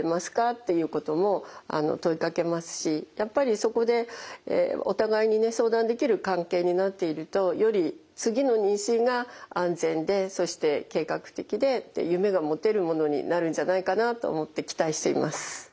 っていうことも問いかけますしやっぱりそこでお互いにね相談できる関係になっているとより次の妊娠が安全でそして計画的で夢が持てるものになるんじゃないかなと思って期待しています。